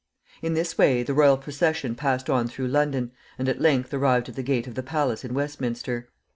In this way the royal procession passed on through London, and at length arrived at the gate of the palace in Westminster.